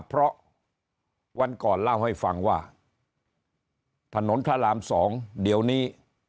เพราะวันก่อนเล่าให้ฟังว่าถนนพระราม๒เดี๋ยวนี้